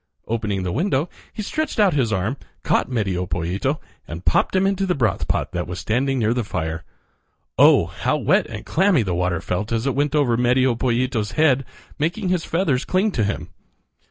Opening the window he stretched out his arm, caught Medio Pollito, and popped him into the broth pot that was standing near the fire. Oh! how wet and clammy the water felt as it went over Medio Pollito's head, making his feathers cling to him.